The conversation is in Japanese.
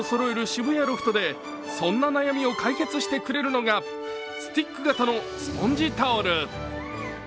渋谷ロフトでそんな悩みを解決してくれるのがスティック型のスポンジタオル。